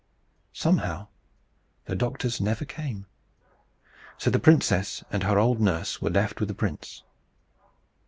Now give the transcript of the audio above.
Somehow, the doctors never came. So the princess and her old nurse were left with the prince.